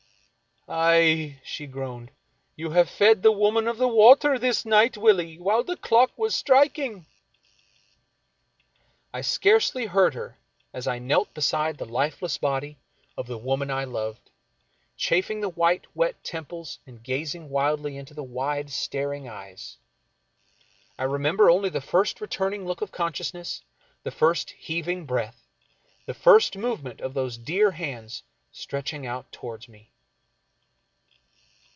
" Aye," she groaned, " you have fed the Woman of the Water this night, Willie, while the clock was striking," I scarcely heard her as I knelt beside the lifeless body of the woman I loved, chafing the wet white temples and gazing wildly into the wide staring eyes. I remember only the first returning look of consciousness, the first heaving breath, the first movement of those dear hands stretching out toward me.